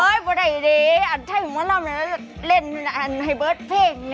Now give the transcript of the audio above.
เฮ้ยไม่ได้ดีอันที่ให้เหมือนว่าเราไปเล่นอันไทเบิร์ดเพลงนี่